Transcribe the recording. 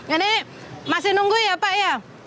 ini masih nunggu ya pak ya